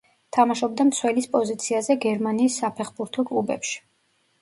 თამაშობდა მცველის პოზიციაზე გერმანიის საფეხბურთო კლუბებში.